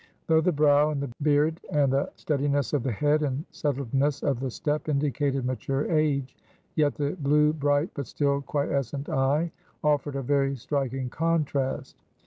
Though the brow and the beard, and the steadiness of the head and settledness of the step indicated mature age, yet the blue, bright, but still quiescent eye offered a very striking contrast.